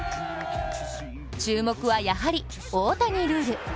注目はやはり大谷ルール。